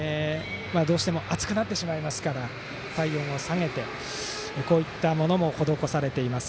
どうしても暑くなってしまいますから体温を下げて、こういったものも施されています。